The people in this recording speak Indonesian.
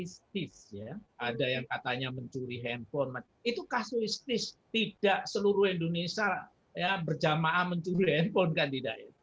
yang diutarakan tadi itu kasuistis ya ada yang katanya mencuri handphone itu kasuistis tidak seluruh indonesia ya berjamaah mencuri handphone kan tidak ya